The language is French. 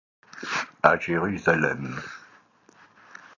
À Jérusalem.